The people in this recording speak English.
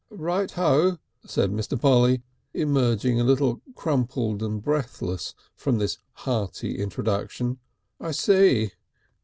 "Right O," said Mr. Polly, emerging a little crumpled and breathless from this hearty introduction. "I see."